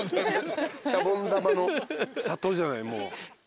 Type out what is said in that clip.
シャボン玉の里じゃないもう。